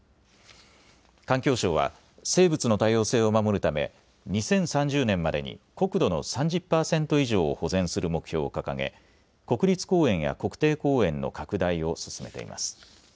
環境省は生物の多様性を守るため２０３０年までに国土の３０％以上を保全する目標を掲げ国立公園や国定公園の拡大を進めています。